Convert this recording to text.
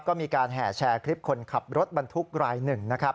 ก็มีการแห่แชร์คลิปคนขับรถบรรทุกรายหนึ่งนะครับ